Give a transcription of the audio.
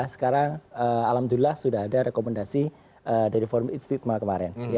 sekarang alhamdulillah sudah ada rekomendasi dari forum istigma kemarin